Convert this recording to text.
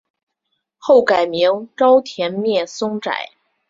后改名沼田面松斋。